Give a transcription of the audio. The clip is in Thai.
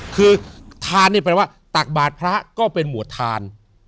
คือทานนี่แปลว่าตักบาทพระก็เป็นหมวดทาน